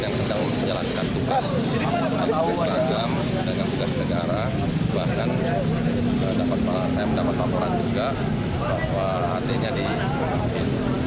yang sudah menjalankan tugas tugas ragam tugas negara bahkan saya mendapat pampuran juga bahwa atn nya dihubungi